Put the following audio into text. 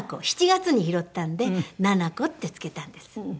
７月に拾ったのでナナコって付けたんです。